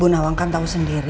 bu bu nawang kan tahu sendiri